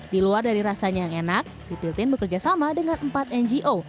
di luar dari rasanya yang enak pipiltin bekerja sama dengan empat ngo